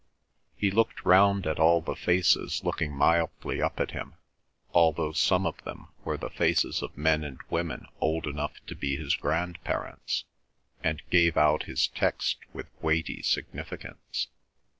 He looked round at all the faces looking mildly up at him, although some of them were the faces of men and women old enough to be his grandparents, and gave out his text with weighty significance.